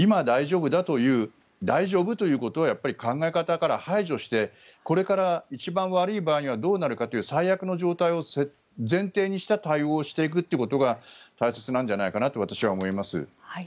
今、大丈夫ということはやっぱり考え方から排除してこれから一番悪い場合にはどうなるかという最悪の状態を前提にした対応をしていくということが大切なんじゃないかなと私は思います。